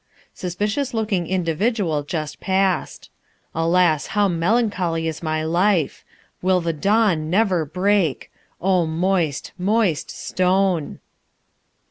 Suspicious looking individual just passed. Alas, how melancholy is my life! Will the dawn never break! Oh, moist, moist stone."